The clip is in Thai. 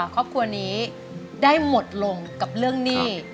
ครอบครัวนี้ได้หมดลงกับเรื่องหนี้